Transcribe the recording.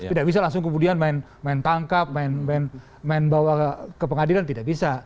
tidak bisa langsung kemudian main tangkap main bawa ke pengadilan tidak bisa